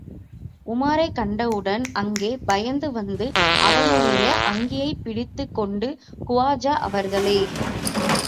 உமாரைக் கண்டவுடன், அங்கே பாய்ந்து வந்து, அவனுடைய அங்கியைப் பிடித்துக் கொண்டு, குவாஜா அவர்களே!